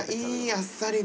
あっさりと。